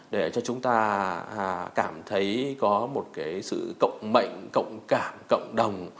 để cho chúng ta cảm thấy có một cái sự cộng mệnh cộng cảm cộng đồng